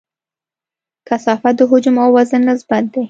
کثافت د حجم او وزن نسبت دی.